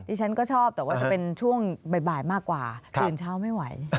ฉันก็ชอบแต่ว่าจะเป็นช่วงบ่ายมากกว่าตื่นเช้าไม่ไหว